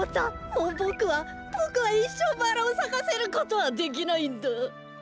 もうボクはボクはいっしょうバラをさかせることはできないんだ！